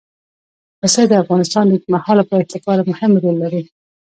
پسه د افغانستان د اوږدمهاله پایښت لپاره مهم رول لري.